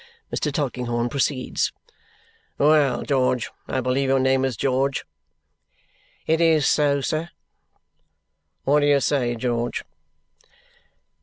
Mr. Tulkinghorn proceeds, "Well, George I believe your name is George?" "It is so, Sir." "What do you say, George?"